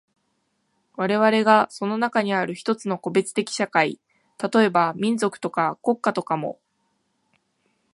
我々がその中にある一つの個別的社会、例えば民族とか国家とかも、